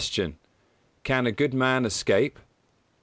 _Can a good man escape?